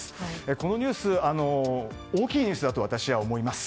このニュース大きいニュースだと私は思います。